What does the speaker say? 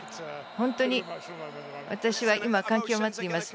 本当に私は今、感極まっています。